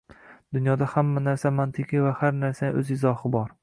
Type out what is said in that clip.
Dunyoda hamma narsa mantiqiy va har narsaning o‘z izohi bor.